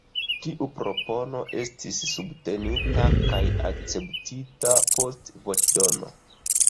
Tiu propono estis subtenita kaj akceptita post voĉdono.